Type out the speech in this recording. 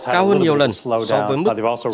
cao hơn nhiều lần so với mức